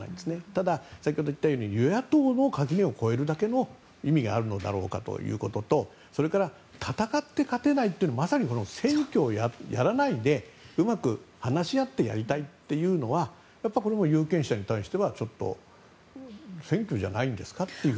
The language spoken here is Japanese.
ただ、先ほど行ったように与野党を超えるだけの意味があるのだろうかということとそれから戦って勝てないというのはまさに選挙をやらないでうまく話し合ってやりたいというのはこれも有権者に対しては選挙じゃないんですかと。